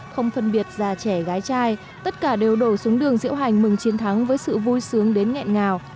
không phân biệt già trẻ gái trai tất cả đều đổ xuống đường diễu hành mừng chiến thắng với sự vui sướng đến nghẹn ngào